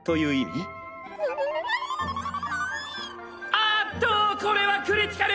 あっとこれはクリティカル！